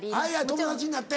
友達になって。